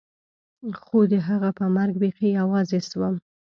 خو د هغه په مرګ بيخي يوازې سوم.